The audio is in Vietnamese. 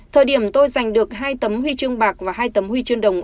thời điểm tôi giành được hai tấm huy chương bạc và hai tấm huy chương đồng